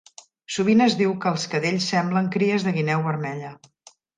Sovint es diu que els cadells semblen cries de guineu vermella.